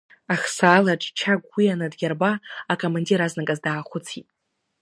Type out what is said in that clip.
Ахсаалаҿ Чагә уи аныдирба, акомандир азныказ даахәыцит…